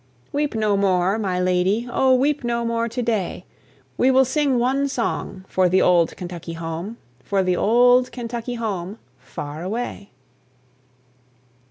Weep no more, my lady, O, weep no more to day! We will sing one song for the old Kentucky home, For the old Kentucky home, far away.